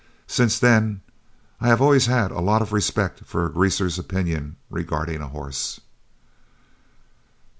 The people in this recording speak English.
Since then, I have always had a lot of respect for a Greaser's opinion regarding a horse."